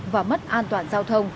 và mất an toàn giao thông